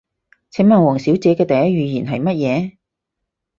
請問王小姐嘅第一語言係乜嘢？